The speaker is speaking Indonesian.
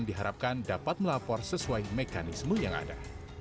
diharapkan dapat melapor sesuai mekanisme yang ada